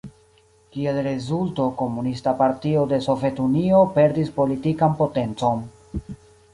Kiel rezulto Komunista Partio de Sovetunio perdis politikan potencon.